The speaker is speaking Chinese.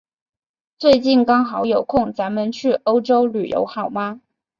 刚好最近有空，咱们去欧洲旅游好吗？